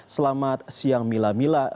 selamat siang mila